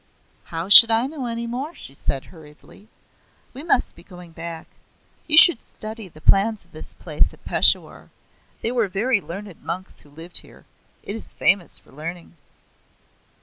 "How should I know any more?" she said hurriedly. "We must be going back. You should study the plans of this place at Peshawar. They were very learned monks who lived here. It is famous for learning."